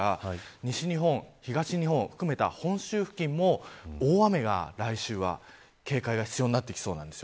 西日本、東日本含めた本州付近も大雨が来週は警戒が必要になってきそうです。